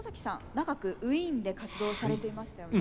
長くウィーンで活動されていましたよね。